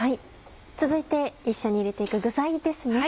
続いて一緒に入れて行く具材ですね。